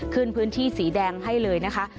ขึ้นพื้นที่สีแดงให้เลยนะคะ